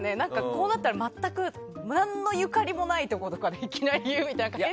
こうなったら全く何のゆかりもないところからいきなり言うとか。